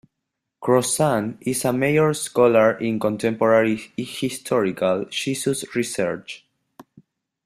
Crossan is a major scholar in contemporary historical Jesus research.